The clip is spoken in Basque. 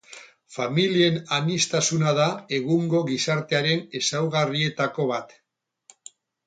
Familien aniztasuna da egungo gizartearen ezaugarrietako bat.